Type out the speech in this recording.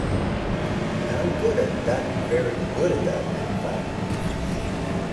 And I'm good at that-very good at that, in fac.